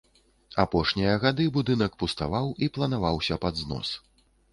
Апошнія гады будынак пуставаў і планаваўся пад знос.